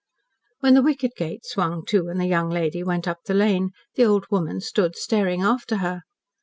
When the wicket gate swung to and the young lady went up the lane, the old woman stood staring after her.